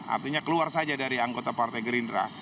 artinya keluar saja dari anggota partai gerindra